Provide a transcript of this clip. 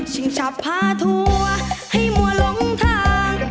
ฉิงฉับผ่าถั่วให้มัวลงทาง